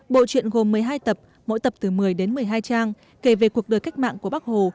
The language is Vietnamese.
bộ truyện gồm một mươi hai tập mỗi tập từ một mươi đến một mươi hai trang kể về cuộc đời cách mạng của bắc hồ